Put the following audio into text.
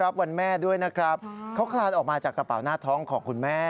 เขาคลานออกมาจากกระเป๋าหน้าท้องของคุณแม่